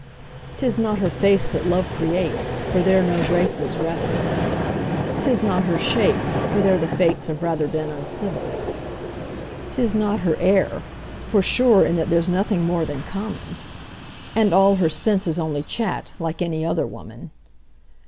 'Tis not her face that love creates, For there no graces revel; 'Tis not her shape, for there the fates Have rather been uncivil. 'Tis not her air, for sure in that There's nothing more than common; And all her sense is only chat Like any other woman.